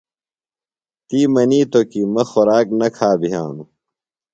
تی منیتوۡ کی مہ خوراک نہ کھا بِھیانوۡ۔